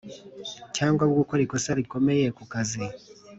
cyangwa gukora ikosa rikomeye ku kazi